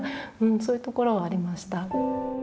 そういうところはありました。